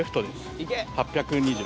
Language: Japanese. ８２０。